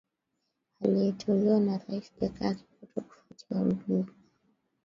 aliyeteuliwa na rais jakaya kikwete kufwatia wibi